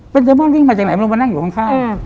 เป็นเดมอนวิ่งมาจากไหนไม่รู้มานั่งอยู่ข้าง